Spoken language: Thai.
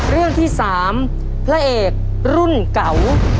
เรื่องที่๓พระเอกรุ่นเก่า